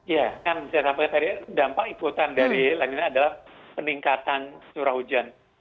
ya kan saya sampaikan tadi dampak ikutan dari lanina adalah peningkatan surau hujan